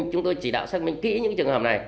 chúng tôi chỉ đạo xác minh kỹ những trường hợp này